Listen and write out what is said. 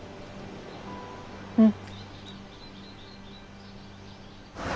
うん。